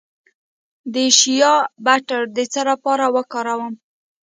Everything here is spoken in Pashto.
د شیا بټر د څه لپاره وکاروم؟